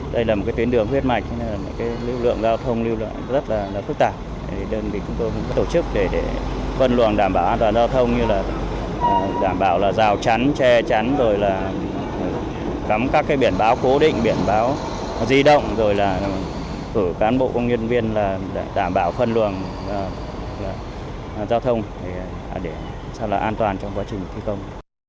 đây là một tuyến đường huyết mạch lưu lượng giao thông rất là phức tạp đơn vị chúng tôi tổ chức để phân luồng đảm bảo an toàn giao thông như là đảm bảo rào chắn che chắn cắm các biển báo cố định biển báo di động rồi là cử cán bộ công nhân viên đảm bảo phân luồng giao thông để an toàn trong quá trình thi công